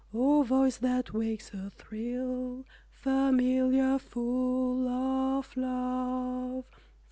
O voice that wakes a thrill Familiar, full of love.